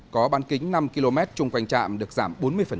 có bán kính năm km chung quanh trạm được giảm bốn mươi